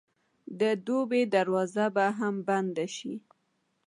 د توبې دروازه به هم بنده شي.